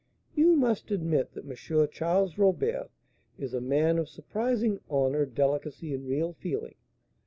You must admit that M. Charles Robert is a man of surprising honour, delicacy, and real feeling.